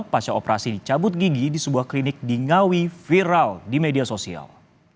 pasca operasi dicabut gigi di sebuah klinik di ngawi viral di media sosial